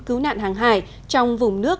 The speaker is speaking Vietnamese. cứu nạn hàng hải trong vùng nước